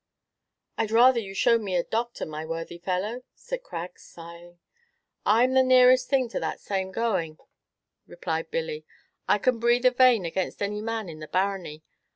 "I'd rather you'd show me a doctor, my worthy fellow," said Craggs, sighing. "I'm the nearest thing to that same going," replied Billy. "I can breathe a vein against any man in the barony.